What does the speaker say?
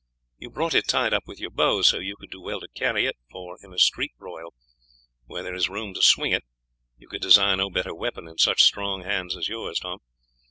You brought it tied up with your bow, so you would do well to carry it, for in a street broil, where there is room to swing it, you could desire no better weapon, in such strong hands as yours, Tom.